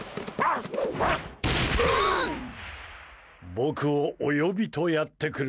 僕をお呼びとやってくる。